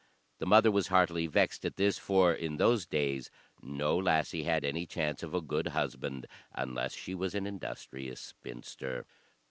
The mother was heartily vexed at this, for in those days no lassie had any chance of a good husband unless she was an industrious spinster.